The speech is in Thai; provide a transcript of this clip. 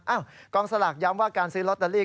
กองสลากย้ำว่าการซื้อลอตเตอรี่